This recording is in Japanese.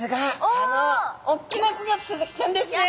あのおっきな子がスズキちゃんですね。